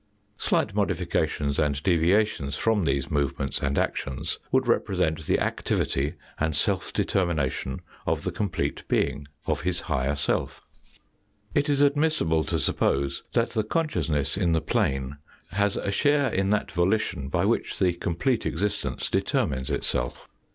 Slight modifications and deviations from these move ments and actions would represent the activity and self determination of the complete being, of his higher self. It is admissible to suppose that the consciousness in THE FIRST CHAPTER IN THE HISTORY OF FOUR SPACE 27 the plane has a share in that volition by which the complete existence determines itself.